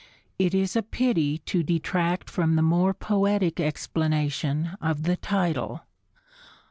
It is a pity to detract from the more poetic explanation of the title.